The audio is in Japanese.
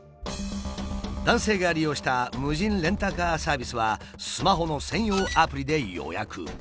男性が利用した無人レンタカーサービスはスマホの専用アプリで予約。